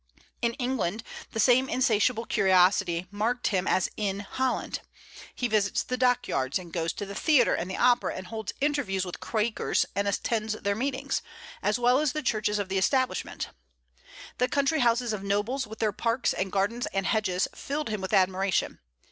In England, the same insatiable curiosity marked him as in Holland. He visits the dock yards, and goes to the theatre and the opera, and holds interviews with Quakers and attends their meetings, as well as the churches of the Establishment. The country houses of nobles, with their parks and gardens and hedges, filled him with admiration.